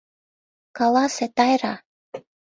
Каласе, Тайра!..